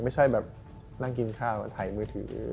ไม่ใช่แบบนั่งกินข้าวถ่ายมือถือ